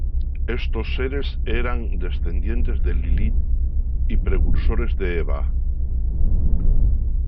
Estos seres eran descendientes de Lilith y precursores de Eva.